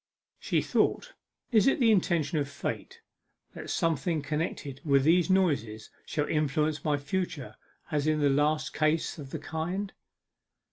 She thought, 'Is it the intention of Fate that something connected with these noises shall influence my future as in the last case of the kind?